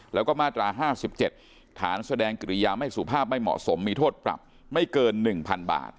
แล้วก็มาตรา๕๗ฐานแสดงกิริยาไม่สุภาพไม่เหมาะสมมีโทษปรับไม่เกิน๑๐๐๐บาท